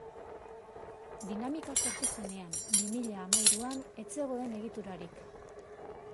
Dinamika sortu zenean, bi mila hamahiruan, ez zegoen egiturarik.